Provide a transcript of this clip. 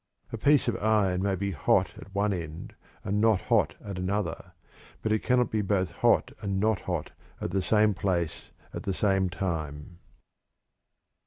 A piece of iron may be "hot" at one end and "not hot" at another, but it cannot be both "hot" and "not hot" at the same place at the same time.